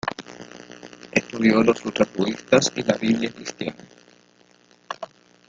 Estudió los sutras budistas y la biblia cristiana.